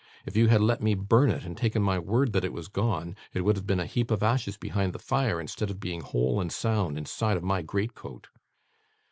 If you had let me burn it, and taken my word that it was gone, it would have been a heap of ashes behind the fire, instead of being whole and sound, inside of my great coat.